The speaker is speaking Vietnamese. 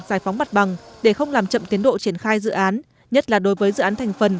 giải phóng mặt bằng để không làm chậm tiến độ triển khai dự án nhất là đối với dự án thành phần